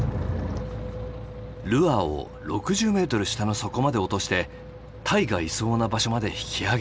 ルアーを６０メートル下の底まで落としてタイがいそうな場所まで引き上げる。